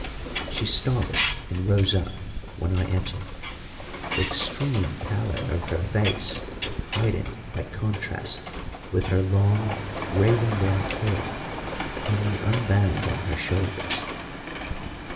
She started and rose up when I entered, the extreme pallor of her face heightened by contrast with her long, raven black hair hanging unbound on her shoulders.